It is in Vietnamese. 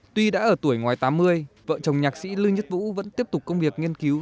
tuy đã ở tuổi ngoài tám mươi vợ chồng nhạc sĩ lư nhất vũ vẫn tiếp tục công việc nghiên cứu